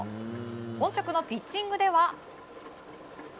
本職のピッチングでは。